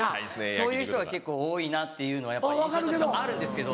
そういう人は結構多いなって印象としてあるんですけど。